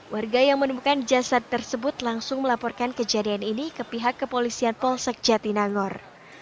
warga yang menemukan jasad tersebut langsung melaporkan kejadian ini ke pihak kepolisian polsek jatinangor